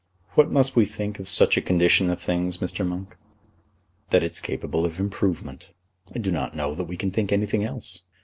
"What must we think of such a condition of things, Mr. Monk?" "That it's capable of improvement. I do not know that we can think anything else.